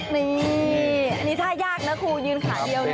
นี่อันนี้ท่ายากนะครูยืนขาเดียวเลย